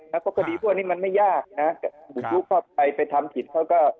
แล้วก็คดีพวกนี้มันไม่ยากนะบุกลุกเข้าไปไปทำผิดเขาก็